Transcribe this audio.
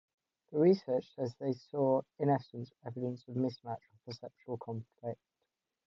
The researchers say they saw, in essence, evidence of mismatch or perceptual conflict.